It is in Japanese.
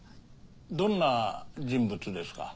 どんな人物ですか？